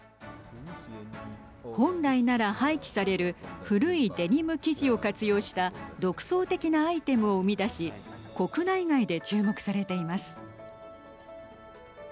本来なら廃棄される古いデニム生地を活用した独創的なアイテムを生み出し国内外で注目されています。